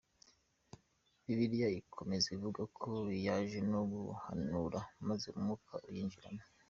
Bibiliya ikomeza ivuga ko yaje no guhanura maze umwuka uyinjiramo.